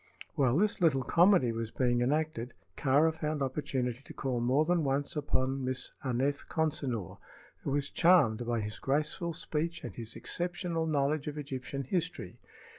While this little comedy was being enacted, Kāra found opportunity to call more than once upon Miss Aneth Consinor, who was charmed by his graceful speech and his exceptional knowledge of Egyptian history.